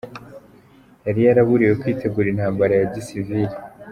Yari yaraburiwe kwitegura intambara ya gisivili.”